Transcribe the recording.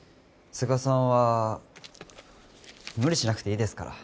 都賀さんは無理しなくていいですから。